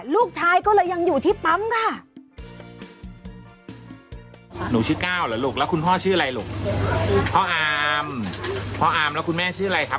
ลูกชายก็เลยยังอยู่ที่ปั๊มค่ะ